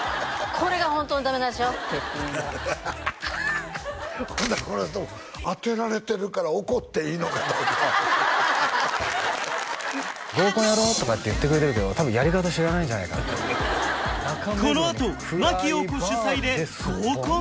「これがホントのダメ出しよ」って言いながらほんならこの人も当てられてるから怒っていいのかどうか合コンやろうとかって言ってくれてるけど多分やり方知らないんじゃないかってこのあと真木よう子主催で合コン！？